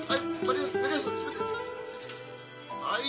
はい！